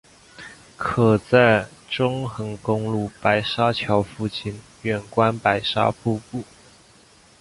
可在中横公路白沙桥附近远观白沙瀑布。